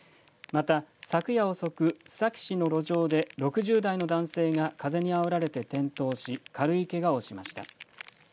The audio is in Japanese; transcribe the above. また昨夜遅く、須崎市の路上で６０代の男性が風にあおられて転倒し、軽いけがをしました。